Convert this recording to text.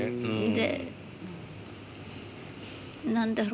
で何だろう。